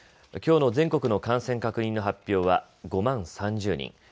きょうの全国の感染確認の発表は５万３０人。